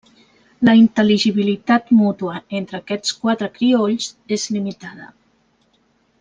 La intel·ligibilitat mútua entre aquests quatre criolls és limitada.